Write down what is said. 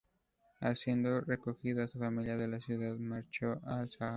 Habiendo recogido a su familia de la ciudad, marchó al Sáhara.